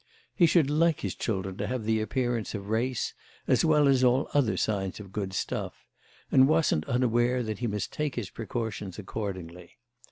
He should like his children to have the appearance of race as well as other signs of good stuff, and wasn't unaware that he must take his precautions accordingly.